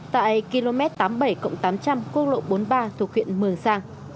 tại km tám mươi bảy tám trăm linh quốc lộ bốn mươi ba thuộc huyện mường sang